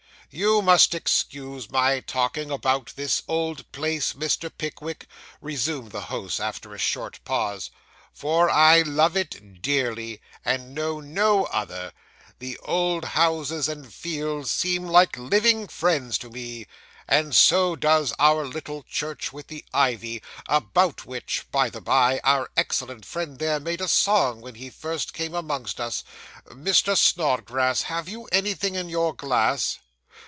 'You must excuse my talking about this old place, Mr. Pickwick,' resumed the host, after a short pause, 'for I love it dearly, and know no other the old houses and fields seem like living friends to me; and so does our little church with the ivy, about which, by the bye, our excellent friend there made a song when he first came amongst us. Mr. Snodgrass, have you anything in your glass?